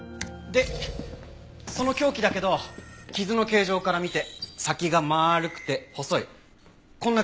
でその凶器だけど傷の形状から見て先が丸くて細いこんな感じのもの。